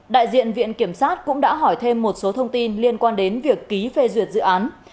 đại diện viện kiểm sát cũng đã hỏi thêm một số thông tin liên quan đến việc ký phê duyệt dự án